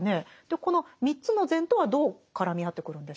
この３つの善とはどう絡み合ってくるんでしょうか？